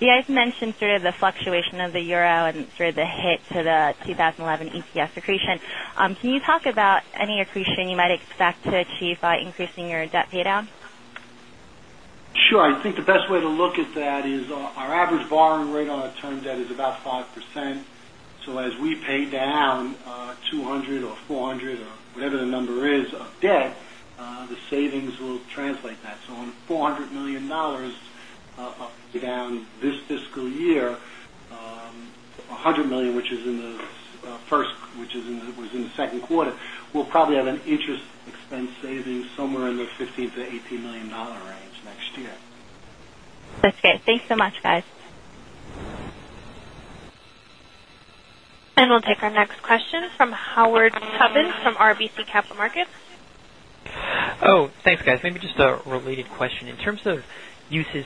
You guys mentioned sort of the fluctuation of the euro and sort of the hit to the 2011 EPS accretion. Can you talk about any accretion you might expect to achieve by increasing your debt pay down? Sure. I think the best way to look at that is our average borrowing rate on a term debt is about 5%. So as we pay down $200,000,000 or $400,000,000 or whatever the number is of debt, the savings will translate that. So on $400,000,000 up to down this fiscal year, dollars 100,000,000 which is in the first which is in the was in the second quarter, we'll probably have an interest expense savings somewhere in the $15,000,000 to $18,000,000 range next year. That's good. Thanks so much, guys. And we'll take our next question from Howard Tubman from RBC Capital Markets. Thanks guys. Maybe just a related question. In terms of uses